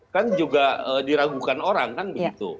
kan juga diragukan orang kan begitu